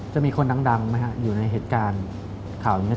จะมีคนดังแม้ฮะอยู่ในเหตุการณ์ข่าวอย่างงี้